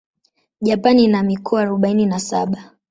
Japan ina mikoa arubaini na saba.